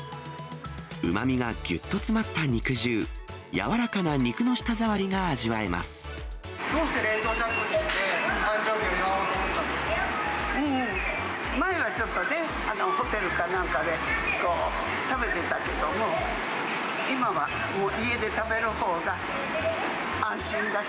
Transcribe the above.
うまみがぎゅっと詰まった肉汁、やわらかな肉の舌触りが味わえまどうして冷凍食品で、前はちょっとね、ホテルかなんかで食べてたけども、今は家で食べるほうが安心だし。